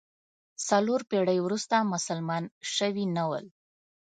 څلور پېړۍ وروسته مسلمانان شوي نه ول.